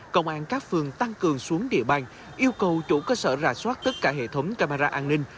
công an các phường tăng cường xuống địa bàn yêu cầu chủ cơ sở rà soát tất cả hệ thống camera an ninh